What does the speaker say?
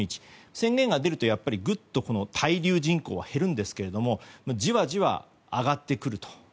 宣言が出るとやっぱりぐっと滞留人口は減るんですがじわじわ上がってくる。